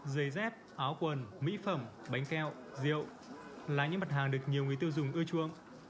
giày dép áo quần mỹ phẩm bánh keo rượu là những mặt hàng được nhiều người tiêu dùng ưa chuộng